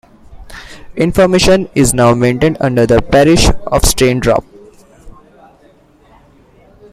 Information is now maintained under the parish of Staindrop.